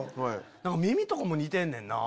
耳とかも似てんねんな。